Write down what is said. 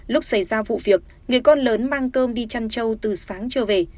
lúc xảy ra vụ việc người con lớn mang cơm đi chăn trâu từ sáng cho về